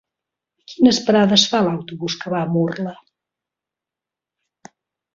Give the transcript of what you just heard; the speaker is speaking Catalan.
Quines parades fa l'autobús que va a Murla?